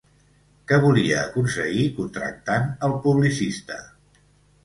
Què volia aconseguir contractant el publicista?